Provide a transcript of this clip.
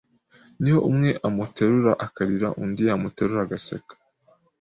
niho umwe amuterura akarira undi yamuterura agaseka.